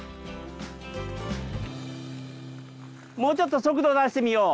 もうちょっと速度出してみよう。